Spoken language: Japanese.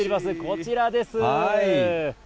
こちらです。